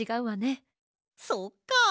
そっか。